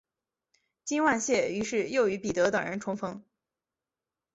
金万燮于是又与彼得等人重逢。